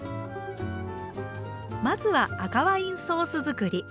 まずは赤ワインソース作り。